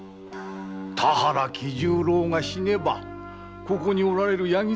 田原喜十郎が死ねばここにおられる八木沢様がお奉行。